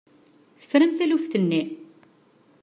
Tefram taluft-nni?